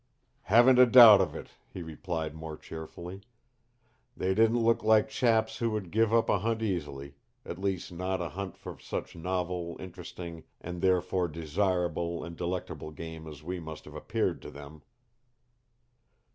"Haven't a doubt of it," he replied more cheerfully. "They didn't look like chaps who would give up a hunt easily at least not a hunt for such novel, interesting, and therefore desirable and delectable game as we must have appeared to them."